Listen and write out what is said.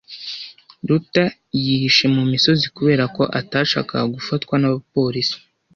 Ruta yihishe mu misozi kubera ko atashakaga gufatwa n'abapolisi.